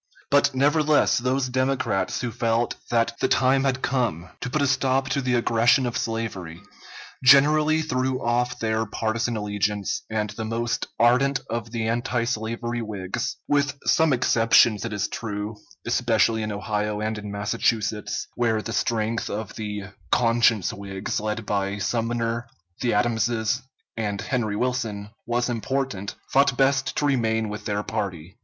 But nevertheless those Democrats who felt that the time had come to put a stop to the aggression of slavery, generally threw off their partisan allegiance, and the most ardent of the antislavery Whigs, with some exceptions it is true, especially in Ohio and in Massachusetts, where the strength of the "Conscience Whigs," led by Sumner, the Adamses, and Henry Wilson, was important, thought best to remain with their party.